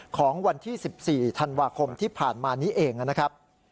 ของวันที่๑๔ธันวาคมที่ผ่านมานี้เองนะครับ